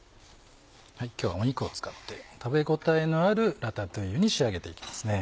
今日は肉を使って食べ応えのあるラタトゥイユに仕上げて行きますね。